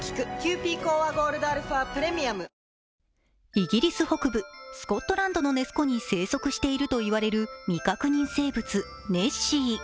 イギリス北部スコットランドのネス湖に生息しているといわれる未確認生物ネッシー。